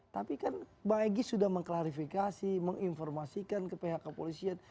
tapi kan bang egy sudah mengklarifikasi menginformasikan ke pihak kepolisian